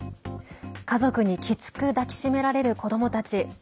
家族に、きつく抱きしめられる子どもたち。